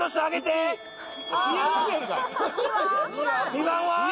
２番は？